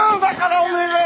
お願い！